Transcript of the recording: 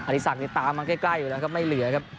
อธิษฐกรายสอนตามมาใกล้อยู่แล้วครับไม่เหลือครับ